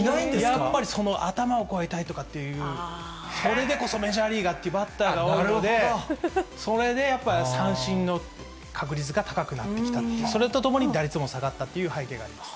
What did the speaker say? やっぱり頭を越えたいとかって、これでこそメジャーリーガーというバッターがいるんで、それでやっぱり三振の確率が高くなってきたと、それとともに打率が下がったという背景があります。